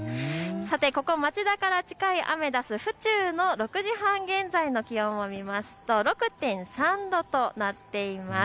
ここ町田から近いアメダス府中の６時半現在の気温を見ますと６．３度となっています。